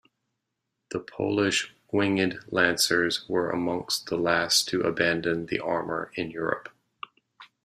The Polish "winged" lancers were amongst the last to abandon the armour in Europe.